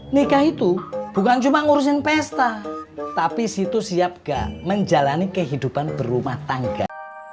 nikah itu bukan cuma ngurusin pesta tapi situ siap gak menjalani kehidupan berumah tangga